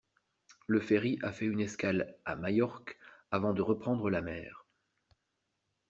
Le ferry a fait une escale à Majorque avant de reprendre la mer.